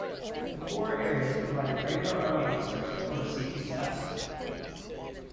The corps areas provided Regular Army officers to oversee these tasks.